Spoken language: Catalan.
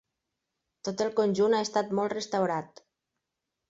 Tot el conjunt ha estat molt restaurat.